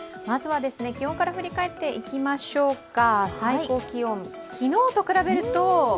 まずは、気温から振り返っていきましょうか最高気温、昨日と比べると？